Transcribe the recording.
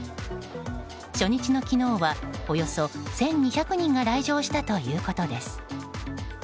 初日の昨日はおよそ１２００人が来場したということです。